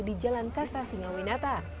di jalan kartasinga winata